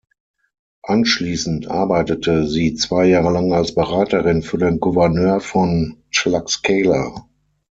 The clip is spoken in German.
Anschließend arbeitete sie zwei Jahre lang als Beraterin für den Gouverneur von Tlaxcala.